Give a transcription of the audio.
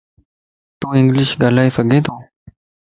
تون انگلش ڳالھائي سڳي تو؟